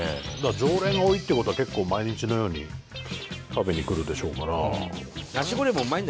常連が多いっていう事は結構毎日のように食べに来るでしょうから。